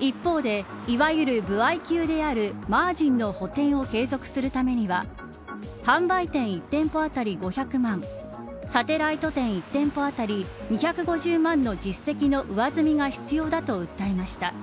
一方で、いわゆる歩合給であるマージンの補填を継続するためには販売店１店舗あたり５００万サテライト店１店舗当たり２５０万の実績の上積みが必要だと訴えました。